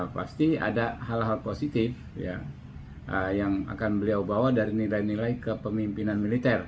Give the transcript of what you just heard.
pasti ada hal hal positif yang akan beliau bawa dari nilai nilai kepemimpinan militer